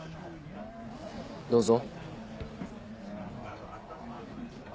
どうぞ。